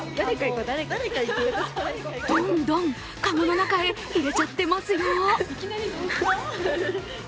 どんどん籠の中へ入れちゃってますよ。